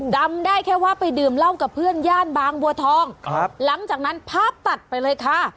จำได้แค่ว่าไปดื่มเหล้ากับเพื่อนย่านบางบัวทองครับหลังจากนั้นภาพตัดไปเลยค่ะ